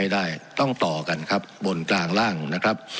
ได้ต้องต่อกันครับบนกลางร่างนะครับ